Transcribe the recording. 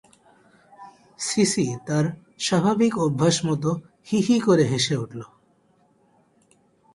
CC তার স্বাভাবিক অভ্যাসমত হী হী করে হেসে উঠল।